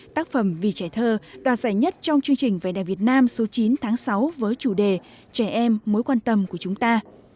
tác phẩm vì trẻ thơ đoạt giải nhất trong chương trình vẻ đẹp việt nam số chín tháng sáu với chủ đề trẻ em mối quan tâm của chúng ta